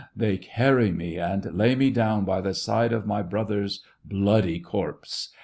They carry me, and lay me down by the side of my brother's bloody corpse.